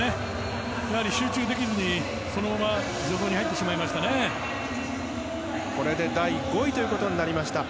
集中できずにそのまま助走に入ってしまいましたね。